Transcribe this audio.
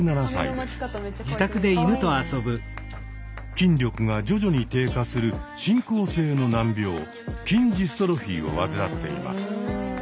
筋力が徐々に低下する進行性の難病筋ジストロフィーを患っています。